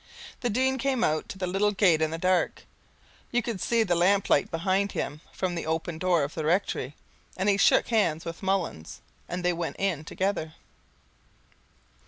The Dean came out to the little gate in the dark, you could see the lamplight behind him from the open door of the rectory, and he shook hands with Mullins and they went in together.